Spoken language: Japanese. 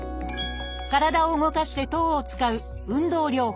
体を動かして糖を使う「運動療法」。